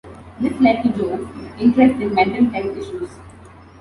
This led to Jones' interest in mental health issues.